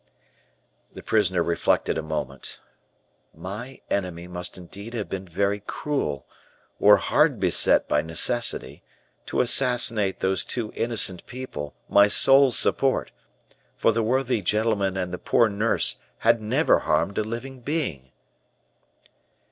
The prisoner reflected a moment. "My enemy must indeed have been very cruel, or hard beset by necessity, to assassinate those two innocent people, my sole support; for the worthy gentleman and the poor nurse had never harmed a living being."